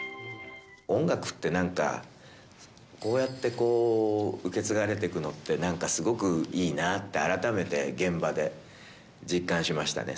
音楽って、なんか、こうやってこう受け継がれていくのって、なんかすごくいいなあって、改めて現場で実感しましたね。